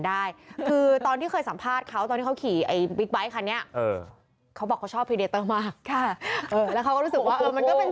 กลางคืนมันไม่มีความสุขนะถ้าเกิดมากลางคืน